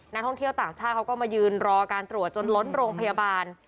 นักท่องเที่ยวต่างชาติเขาก็มายืนรอการตรวจจนล้นโรงพยาบาล